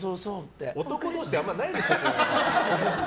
男同士であんまりないでしょ。